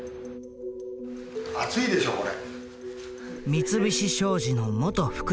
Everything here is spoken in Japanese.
暑いでしょこれ。